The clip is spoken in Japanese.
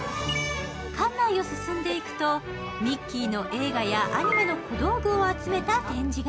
館内を進んでいくとミッキーの映画やアニメの小道具を集めた展示が。